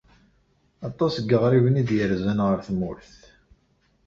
Aṭas n yeɣriben i d-irzan ɣer tmurt.